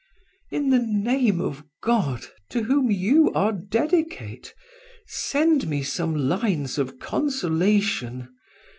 In the name of God, to whom you are dedicate, send me some lines of consolation.